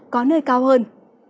có nơi cao hơn